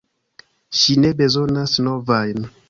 Ŝi ne bezonas novajn!